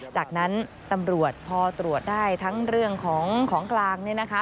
จากนั้นตำรวจพอตรวจได้ทั้งเรื่องของของกลางเนี่ยนะคะ